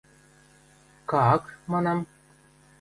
– Как? – манам.